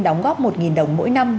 đóng góp một đồng mỗi năm